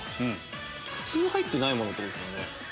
普通入ってないものってことですもんね。